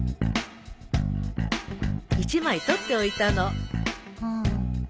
１枚撮っておいたの。